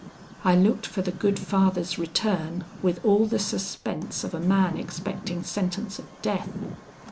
"I looked for the good Father's return with all the suspense of a man expecting sentence of death.